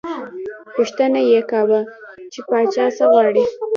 پوښتنه یې کاوه، چې پاچا څه غواړي.